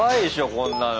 こんなの。